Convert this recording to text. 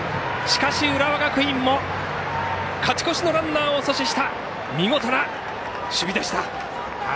しかし、浦和学院も勝ち越しのランナーを阻止した見事な守備でした。